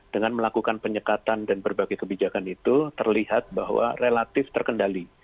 dengan melakukan penyekatan dan berbagai kebijakan itu terlihat bahwa relatif terkendali